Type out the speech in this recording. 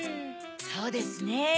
そうですね。